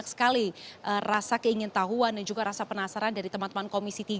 banyak sekali rasa keingin tahuan dan juga rasa penasaran dari teman teman komisi tiga